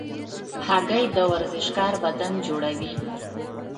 هګۍ د ورزشکار بدن جوړوي.